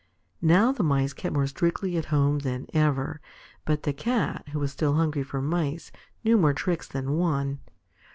Now the Mice kept more strictly at home than ever. But the Cat, who was still hungry for Mice, knew more tricks than one.